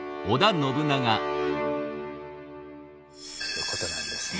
ということなんですね。